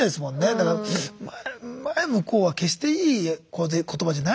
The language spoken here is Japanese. だから「前向こう」は決していい言葉じゃないですもんね。